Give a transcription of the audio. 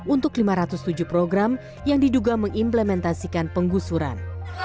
untuk lima ratus tujuh program yang diduga mengimplementasikan penggusuran